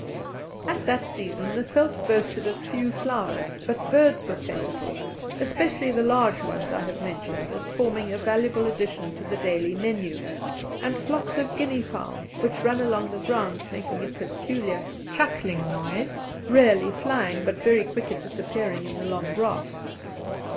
At that season the veldt boasted of few flowers, but birds were plentiful, especially the large ones I have mentioned as forming a valuable addition to the daily menu, and flocks of guinea fowl, which run along the ground making a peculiar chuckling noise, rarely flying, but very quick at disappearing in the long grass.